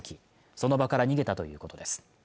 その場から逃げたということです